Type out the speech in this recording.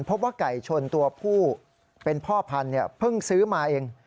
พบว่าไก่ชนตัวผู้เป็นพ่อพันธุ์เพิ่งซื้อมาเอง